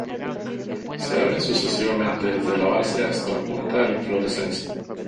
Se abren sucesivamente desde la base hasta la punta de la inflorescencia.